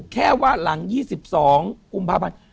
แค่ว่าหลัง๒๒กุมภาพันธ์